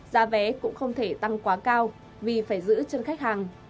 giá vé cũng không thể tăng quá cao vì phải giữ chân khách hàng